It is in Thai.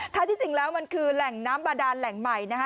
ถ้าที่จริงแล้วมันคือแหล่งน้ำบาดานแหล่งใหม่นะฮะ